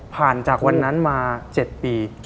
ผ่านจากวันนั้นมา๗ปี